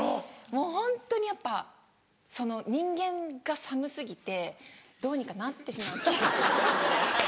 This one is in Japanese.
もうホントにやっぱ人間が寒過ぎてどうにかなってしまう気がするんで。